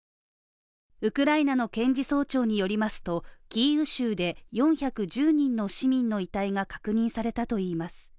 ウクライナの検事総長によりますと、キーウ州で４１０人の市民の遺体が確認されたといいます。